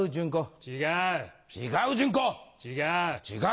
違う。